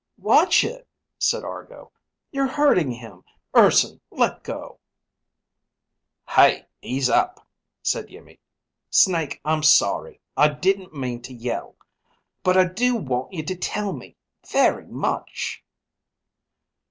"Watch it," said Argo. "You're hurting him. Urson, let go!" "Hey, ease up," said Iimmi. "Snake, I'm sorry. I didn't mean to yell. But I do want you to tell me. Very much."